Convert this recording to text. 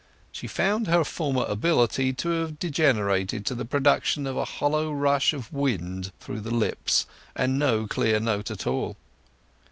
She found her former ability to have degenerated to the production of a hollow rush of wind through the lips, and no clear note at all.